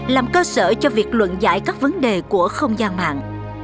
làm cơ sở cho việc luận giải các vấn đề của không gian mạng